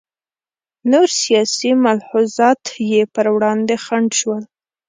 نور سیاسي ملحوظات یې پر وړاندې خنډ شول.